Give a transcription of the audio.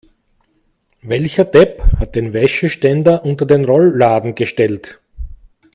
Welcher Depp hat den Wäscheständer unter den Rollladen gestellt?